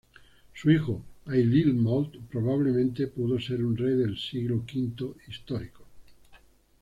Su hijo Ailill Molt probablemente pudo un rey de siglo V histórico.